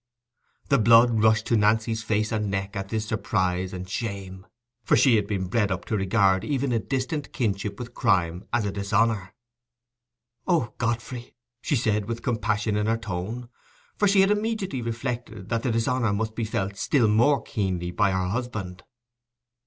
The blood rushed to Nancy's face and neck at this surprise and shame, for she had been bred up to regard even a distant kinship with crime as a dishonour. "O Godfrey!" she said, with compassion in her tone, for she had immediately reflected that the dishonour must be felt still more keenly by her husband.